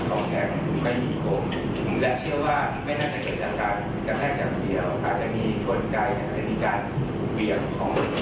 แต่ประจานคนไกลงองใดพอดี